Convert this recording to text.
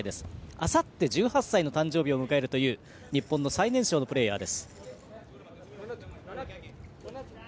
あさって１８歳の誕生日という日本の最年少のプレーヤーです。